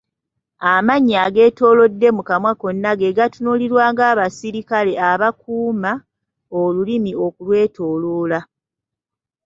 Amannyo ageetoolodde mu kamwa konna ge gatunuulirwa ng’abasirikale abakuuma olulimi okulwetooloola.